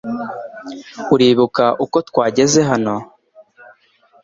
Uribuka uko twageze hano?